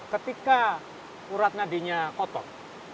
ketika urat nadinya kotor